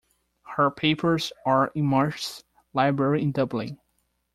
Her papers are in Marsh's Library in Dublin.